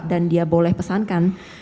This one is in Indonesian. dan dia boleh pesankan